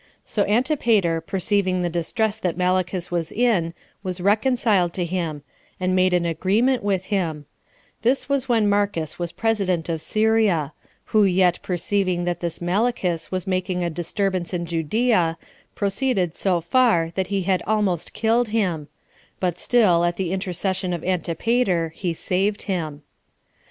So Antipater, perceiving the distress that Malichus was in, was reconciled to him, and made an agreement with him: this was when Marcus was president of Syria; who yet perceiving that this Malichus was making a disturbance in Judea, proceeded so far that he had almost killed him; but still, at the intercession of Antipater, he saved him.